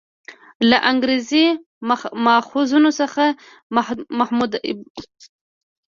له انګریزي ماخذونو څخه محمد ابراهیم خان ژباړلی دی.